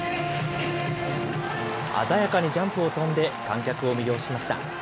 鮮やかにジャンプを跳んで、観客を魅了しました。